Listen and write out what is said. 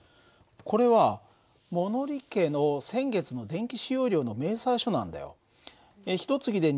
これは物理家の先月の電気使用量の明細書なんだよ。